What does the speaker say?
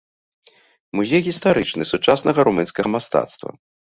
Музей гістарычны, сучаснага румынскага мастацтва.